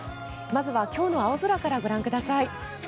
まずは今日の青空からご覧ください。